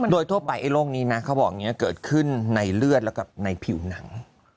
โดยทั่วไปโรคนี้นะเขาบอกอย่างนี้เกิดขึ้นในเลือดแล้วก็ในผิวหนัง